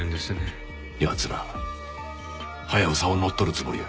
奴らハヤブサを乗っ取るつもりや。